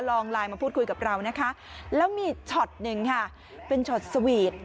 ลองไลน์มาพูดคุยกับเรานะคะแล้วมีช็อตหนึ่งค่ะเป็นช็อตสวีท